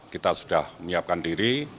kita sudah menyiapkan diri